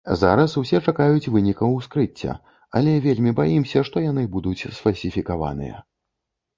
Зараз усе чакаюць вынікаў ускрыцця, але вельмі баімся, што яны будуць сфальсіфікаваныя.